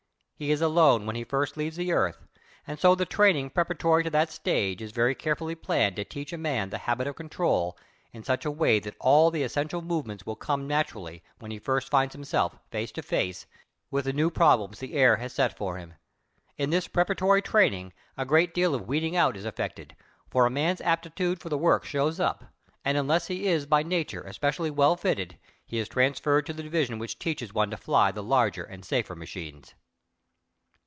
He is alone when he first leaves the earth, and so the training preparatory to that stage is very carefully planned to teach a man the habit of control in such a way that all the essential movements will come naturally when he first finds himself face to face with the new problems the air has set for him. In this preparatory training a great deal of weeding out is effected, for a man's aptitude for the work shows up, and unless he is by nature especially well fitted he is transferred to the division which teaches one to fly the larger and safer machines.